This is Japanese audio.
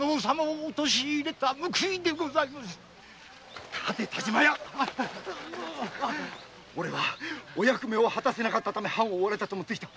おれはお役目を果たせなかったため藩を追われたと思っていた。